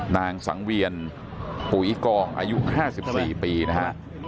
นางสังเวียนปู่อิกองอายุห้าสิบสี่ปีนะฮะ